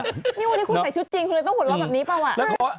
เนี่ยวันนี้ข้อใส่ชุดจริงจะต้องหล่อรอแบบนี้หรือเปล่า